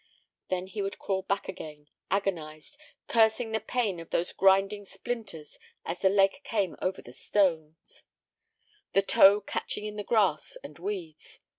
Then he would crawl back again, agonized, cursing the pain of those grinding splinters as the leg came over the stones, the toe catching in the grass and weeds.